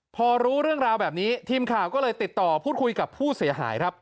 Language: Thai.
พอรู้เรื่องราวแบบนี้ทีมข่าวก็เลยติดต่อพูดคุยกับผู้เสียหายครับ